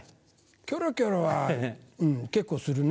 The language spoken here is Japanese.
キョロキョロはうん結構するね。